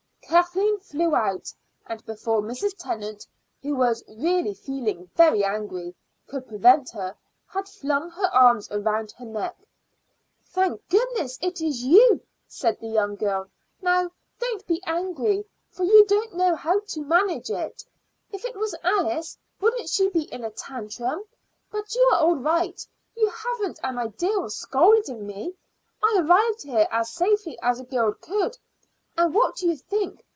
Kathleen flew out, and before Mrs. Tennant, who was really feeling very angry, could prevent her, had flung her arms round her neck. "Thank goodness it is you!" said the young girl. "Now don't be angry, for you don't know how to manage it. If it was Alice, wouldn't she be in a tantrum? But you are all right; you haven't an idea of scolding me. I arrived here as safely as a girl could. And what do you think?